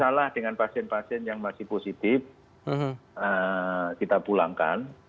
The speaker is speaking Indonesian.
masalah dengan pasien pasien yang masih positif kita pulangkan